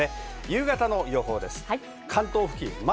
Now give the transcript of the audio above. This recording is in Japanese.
夕方の予報です。